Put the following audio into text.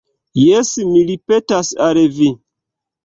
Jes, mi ripetas al vi.